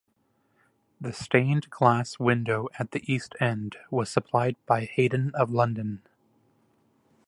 The stained glass window at the east end was supplied by Heydon of London.